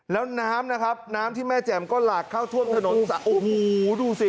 แล้วน้ำที่แม่แจ่มดูสิ